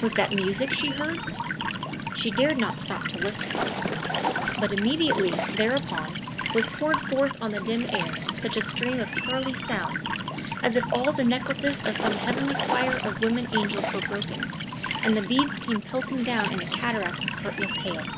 Was that music she heard? She dared not stop to listen. But immediately, thereupon, was poured forth on the dim air such a stream of pearly sounds as if all the necklaces of some heavenly choir of woman angels were broken, and the beads came pelting down in a cataract of hurtless hail.